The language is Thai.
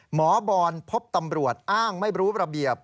หมอบอลพบตำรวจอ้างไม่รู้ระเบียบ